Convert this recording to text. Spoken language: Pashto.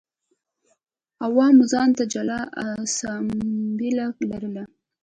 عوامو ځان ته جلا اسامبله لرله